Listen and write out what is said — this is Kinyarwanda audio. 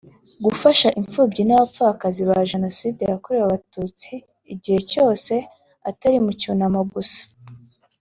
gufasha imfubyi n’abapfakazi ba Jenoside yakorewe Abatutsi igihe cyose atari mu cyunamo gusa